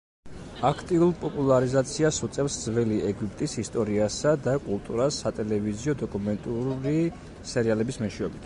აქტიურ პოპულარიზაციას უწევს ძველი ეგვიპტის ისტორიასა და კულტურას სატელევიზიო დოკუმენტური სერიალების მეშვეობით.